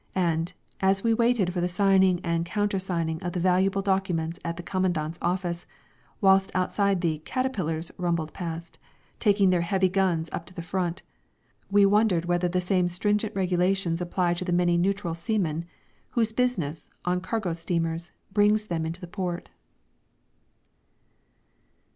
And, as we waited for the signing and countersigning of the valuable documents at the Commandant's office, whilst outside the "Caterpillars" rumbled past, taking their heavy guns up to the front, we wondered whether the same stringent regulations apply to the many "neutral" seamen, whose business, on cargo steamers, brings them into the port.